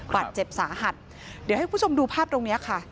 บาดเจ็บสาหัสเดี๋ยวให้คุณผู้ชมดูภาพตรงนี้ค่ะ